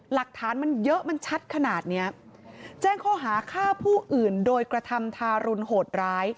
หลักฐานมันเยอะมันชัดขนาดเนี้ยแจ้งข้อหาฆ่าผู้อื่นโดยกระทำทารุณโหดร้าย